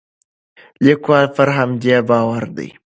لیکوال پر همدې باور دی.